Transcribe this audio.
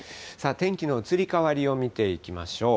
天気の移り変わりを見ていきましょう。